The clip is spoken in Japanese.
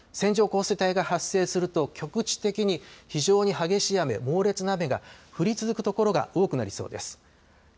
線状降水帯が発生すると局地的に非常に激しい雨猛烈な雨が降り続く所が多くなりそうです。